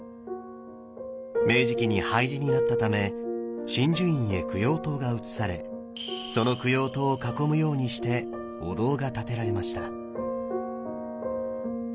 明治期に廃寺になったため眞珠院へ供養塔が移されその供養塔を囲むようにしてお堂が建てられました。